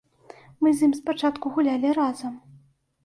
Мы з ім спачатку гулялі разам.